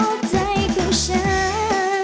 รอบใจของฉัน